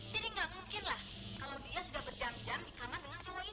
nggak mungkin lah kalau dia sudah berjam jam di kamar dengan cowok ini